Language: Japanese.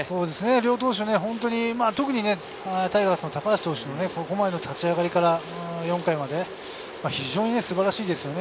両投手、特にタイガースの高橋投手のここまでの立ち上がりから４回まで素晴らしいですね。